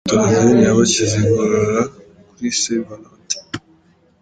Resitora Zen yabashyize igorora kuri Se Valate